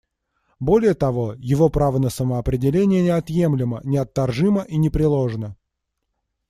Более того, его право на самоопределение неотъемлемо, неотторжимо и непреложно.